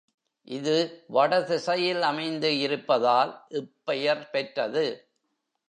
இது வடதிசையில் அமைந்து இருப்பதால் இப்பெயர் பெற்றது.